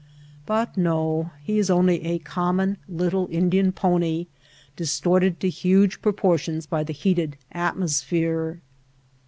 But no ; he is only a common little Indian pony distorted to huge proportions by the heat ed atmosphere.